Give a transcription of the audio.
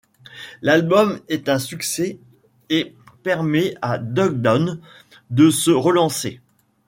L'album est un succès et permet à Duck Down de se relancer.